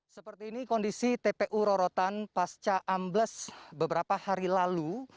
seperti ini kondisi tpu rorotan pasca ambles beberapa hari lalu